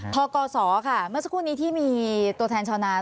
ทกศค่ะเมื่อสักครู่นี้ที่มีตัวแทนชาวนา